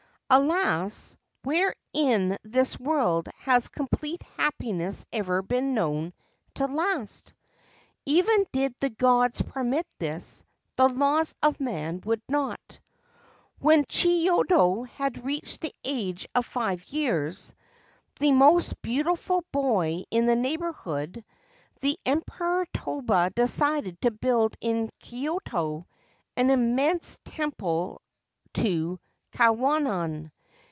Alas, where in this world has complete happiness ever been known to last ? Even did the gods permit this, the laws of man would not. When Chiyodo had reached the age of five years — the most beautiful boy in the neighbourhood — the ex Emperor Toba decided to build in Kyoto an immense temple to Kwannon.